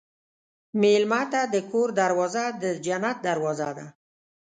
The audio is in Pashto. مېلمه ته د کور دروازه د جنت دروازه ده.